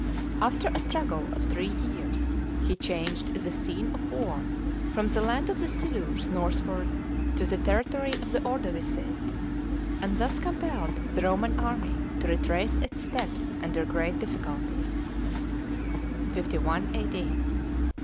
After a struggle of three years, he changed the scene of war from the land of the Silures northward to the territory of the Ordovices, and thus compelled the Roman army to retrace its steps under great difficulties (51 A.D.).